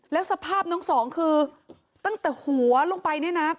แล้วสภาพน้องสองคือตั้งแต่หัวลงไปเนี่ยนะ